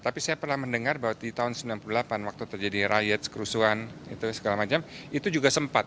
tapi saya pernah mendengar bahwa di tahun seribu sembilan ratus sembilan puluh delapan waktu terjadi riot kerusuhan itu juga sempat